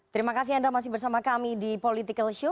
terima kasih anda masih bersama kami di political show